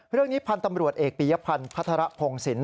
เรื่องนี้พันธ์ตำรวจเอกปียพันธ์พัฒระพงศิลป